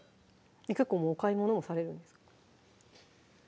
結構もうお買い物もされるんですか？